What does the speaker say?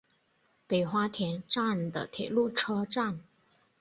北花田站的铁路车站。